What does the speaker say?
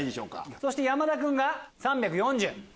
そして山田君が３４０。